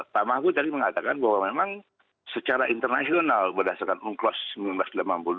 pak mahfud tadi mengatakan bahwa memang secara internasional berdasarkan unclos seribu sembilan ratus delapan puluh dua